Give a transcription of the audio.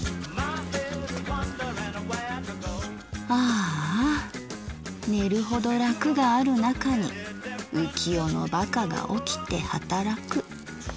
「『あーあ寝るほど楽があるなかに浮世のバカが起きて働く』。